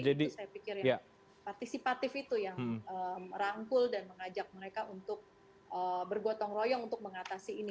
jadi saya pikir ya partisipatif itu yang rangkul dan mengajak mereka untuk bergotong royong untuk mengatasi ini